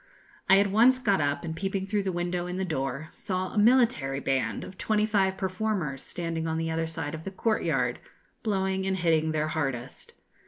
I at once got up and, peeping through the window in the door, saw a military band of twenty five performers, standing on the other side of the courtyard, blowing and hitting their hardest.